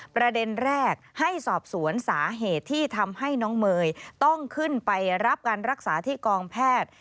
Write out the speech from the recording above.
ประเด็นแรกให้สอบสวนสาเหตุที่ทำให้น้องเมย์ต้องขึ้นไปรับการรักษาที่กองแพทย์